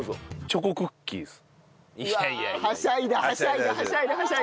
チョコクッキーです。